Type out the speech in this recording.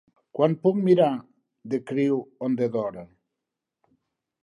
Quan puc mirar The Crew of the Dora